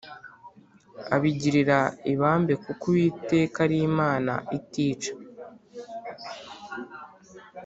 Abagirira ibambe kuko Uwiteka ari Imana itica